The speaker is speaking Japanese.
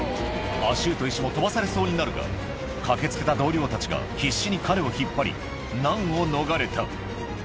アシュート医師も飛ばされそうになるが、駆けつけた同僚たちが必死に彼を引っ張り、難を逃れた。